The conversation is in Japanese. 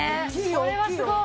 これはすごい！